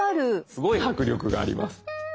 すごい迫力があります。